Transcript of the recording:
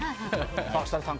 設楽さん